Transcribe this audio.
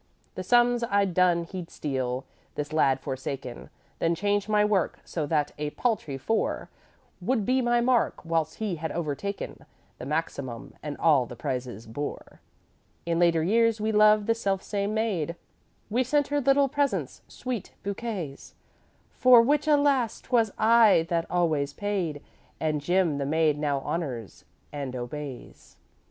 "'The sums I'd done he'd steal, this lad forsaken, Then change my work, so that a paltry four Would be my mark, whilst he had overtaken The maximum and all the prizes bore. "'In later years we loved the self same maid; We sent her little presents, sweets, bouquets, For which, alas! 'twas I that always paid; And Jim the maid now honors and obeys.